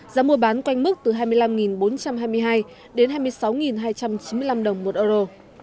giá mua bán quanh mức từ hai mươi năm bốn trăm hai mươi hai đến hai mươi sáu hai trăm chín mươi năm đồng một euro